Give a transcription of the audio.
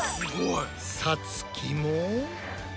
さつきも。